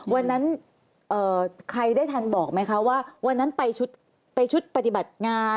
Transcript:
วันนั้นใครได้ทันบอกไหมคะว่าวันนั้นไปชุดปฏิบัติงาน